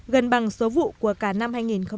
gần bằng số vụ của cả năm hai nghìn một mươi tám